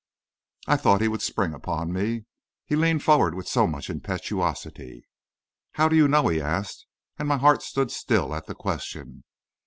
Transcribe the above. I thought he would spring upon me, he leaned forward with so much impetuosity. "How do you know?" he asked, and my heart stood still at the question.